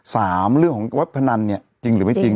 สามเรื่องของเว็บพนันเนี่ยจริงหรือไม่จริง